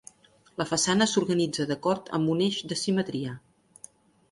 La façana s'organitza d'acord amb un eix de simetria.